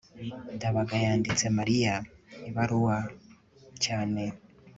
ndabaga yanditse mariya ibaruwa cyane